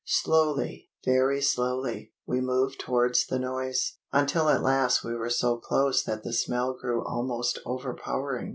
Slowly, very slowly, we moved towards the noise, until at last we were so close that the smell grew almost overpowering.